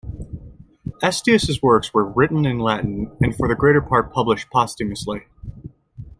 Estius's works were written in Latin and for the greater part published posthumously.